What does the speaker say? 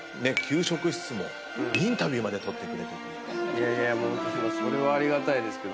いやいやそれはありがたいですけど。